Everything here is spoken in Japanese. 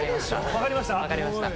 分かりました？